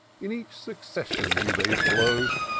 In such succession do they flow.